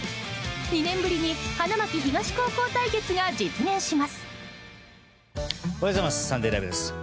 ２年ぶりに花巻東高校対決が実現します。